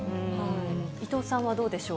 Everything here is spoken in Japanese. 伊藤さんはどうでしょう。